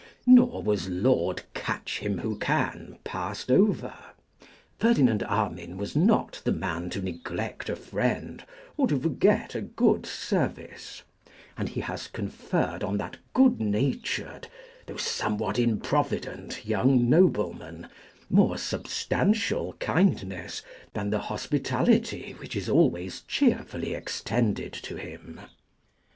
Nor was Lord Catchimwhocan passed over. Ferdinand Armine was not the man to neglect a friend or to forget a good service; and he has conferred on that good natured, though somewhat improvident, young nobleman, more substantial kindness than the hospitality which is always cheerfully extended to him.